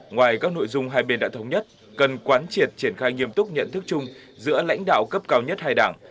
ngoài các nội dung hai bên đã thống nhất cần quán triệt triển khai nghiêm túc nhận thức chung giữa lãnh đạo cấp cao nhất hai đảng